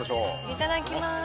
いただきます。